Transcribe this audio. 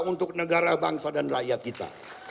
untuk negara bangsa dan rakyat kita